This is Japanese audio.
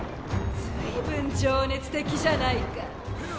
随分情熱的じゃないか。